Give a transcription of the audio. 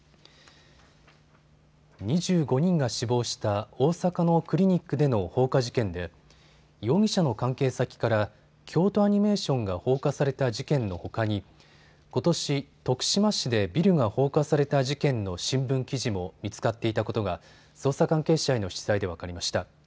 ２５人が死亡した大阪のクリニックでの放火事件で容疑者の関係先から京都アニメーションが放火された事件のほかにことし徳島市でビルが放火された事件の新聞記事も見つかっていたことが捜査関係者への取材で分かりました。